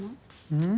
うん？